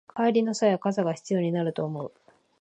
帰りの際は傘が必要になると思う